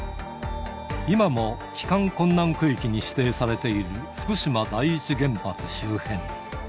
今も帰還困難区域に指定されている福島第一原発周辺。